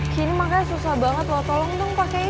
ki ini makanya susah banget loh tolong dong pakein